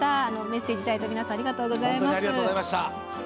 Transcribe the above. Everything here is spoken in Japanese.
メッセージいただいた皆さんありがとうございます。